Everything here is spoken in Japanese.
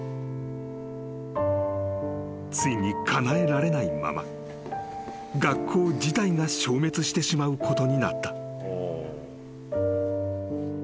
［ついにかなえられないまま学校自体が消滅してしまうことになった］